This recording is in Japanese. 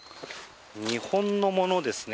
日本のものですね。